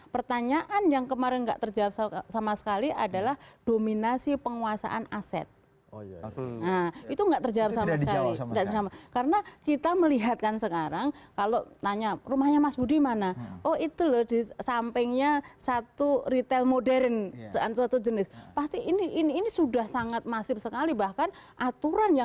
panelis menjaga integritasnya